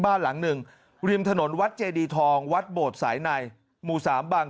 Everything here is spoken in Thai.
บ้านหลังหนึ่งริมถนนวัดเจดีทองวัดโบดสายในหมู่สามบัง